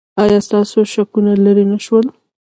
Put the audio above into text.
ایا ستاسو شکونه لرې نه شول؟